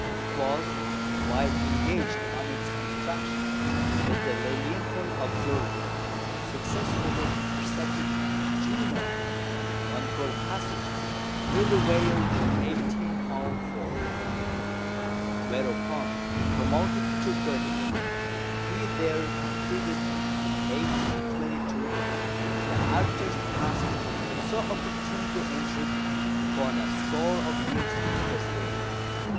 It was while engaged on its construction that the Lilienthal observer successfully intercepted Juno on her passage through the Whale in 1804; whereupon promoted to Göttingen, he there completed, in 1822, the arduous task so opportunely entered upon a score of years previously.